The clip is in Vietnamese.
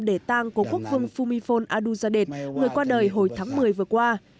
để tàng cố quốc vương phumifol aduzadeh người qua đời hồi tháng một mươi vừa qua